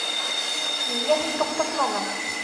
Ниңә һин туҡтатманың?